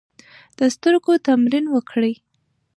د سترګو تمرین وکړئ.